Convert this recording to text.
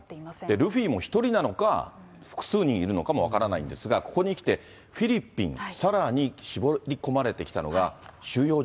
ルフィも１人なのか、複数人いるのかも分からないんですが、ここにきて、フィリピン、さらに絞り込まれてきたのが、収容所。